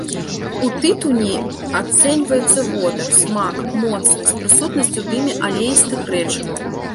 У тытуні ацэньваецца водар, смак, моцнасць, прысутнасць у дыме алеістых рэчываў.